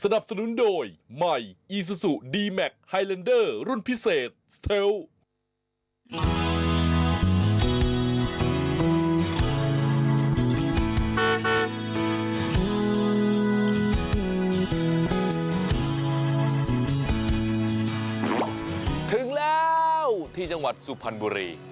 ถึงแล้วที่จังหวัดสุพรรณบุรี